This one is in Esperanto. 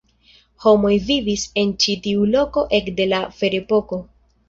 Homoj vivis en ĉi tiu loko ekde la ferepoko.